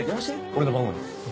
俺の番号ね。